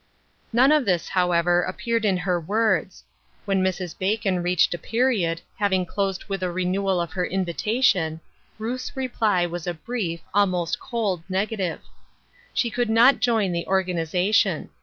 None of this, however, appeared in her words. When Mrs. Bacon reached a period, having closed with a renewal of her invitation, Ruth's reply was a brief, almost cold negative. She could not join the organization.